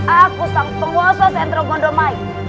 aku sang penguasa sentro gondomai